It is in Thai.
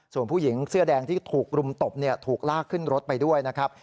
ส่วนผู้หญิงเสื้อแดงที่ถูกรุมตบถูกลากขึ้นรถไปด้วยนะครับ